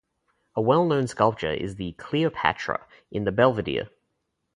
A well-known sculpture is the "Cleopatra" in the Belvedere.